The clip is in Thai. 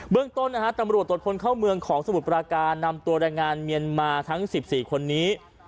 เรื่องต้นนะฮะตำรวจตรวจคนเข้าเมืองของสมุทรปราการนำตัวแรงงานเมียนมาทั้ง๑๔คนนี้